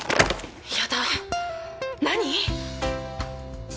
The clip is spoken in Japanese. やだぁ何？